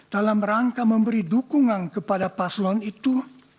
dalam rangka memberi dukungan kepada paslon itu